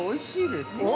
◆ですよね。